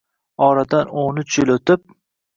Oradan o‘n uch yil o‘tib